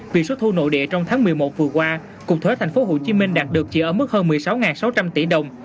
vì số thu nội địa trong tháng một mươi một vừa qua cục thuế thành phố hồ chí minh đạt được chỉ ở mức hơn một mươi sáu sáu trăm linh tỷ đồng